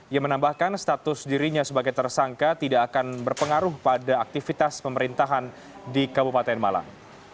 ia menambahkan status dirinya sebagai tersangka tidak akan berpengaruh pada aktivitas pemerintahan di kabupaten malang